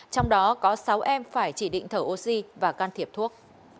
trong đó có sáu em phải chỉ định thở oxy và can thiệp thuốc